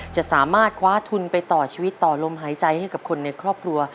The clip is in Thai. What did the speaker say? จะสามารถคว้าทุนไปต่อชีวิตต่อลมหายใจให้กับคนในครอบครัว